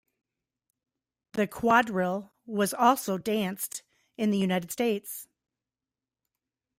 The quadrille was also danced in the United States.